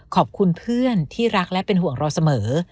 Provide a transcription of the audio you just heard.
ขอบคุณเพื่อนที่รักและเป็นห่วงเราเสมอ